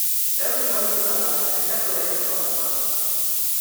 Very early in my life, I separated from my mother.